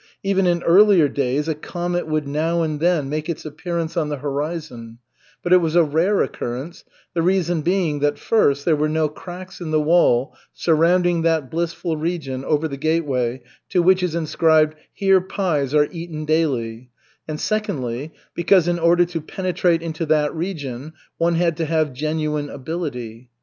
Even in earlier days a comet would now and then make its appearance on the horizon, but it was a rare occurrence, the reason being that, first, there were no cracks in the wall surrounding that blissful region over the gateway to which is inscribed: "Here pies are eaten daily," and, secondly, because in order to penetrate into that region, one had to have genuine ability.